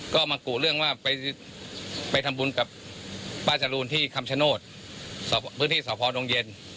ก็มากุเรื่องว่าไปทำบุญกับป้าจรูนที่คำชโนธพื้นที่สพดงเย็น